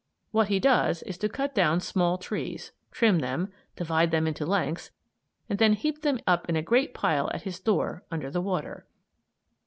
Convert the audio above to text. What he does is to cut down small trees, trim them, divide them into lengths, and then heap them up in a great pile at his door, under the water.